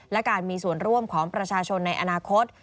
และการมีส่วนร่วมของประชาชนในอนาคต